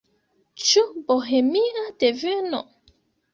Ĉu bohemia deveno?